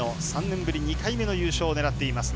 ３年ぶり２回目の優勝を狙っています。